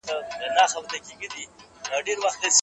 هغه ملګری چې ما ته یې زنګ وواهه په انټرنيټ و.